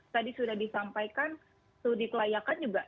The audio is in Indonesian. tadi sudah disampaikan sudah dikelayakan juga